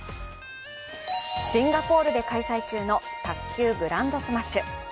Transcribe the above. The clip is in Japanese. シンガポールで開催中の卓球グランドスマッシュ。